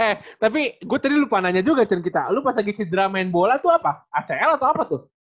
eh tapi gue tadi lupa nanya juga cerita lu pas lagi cedera main bola tuh apa acl atau apa tuh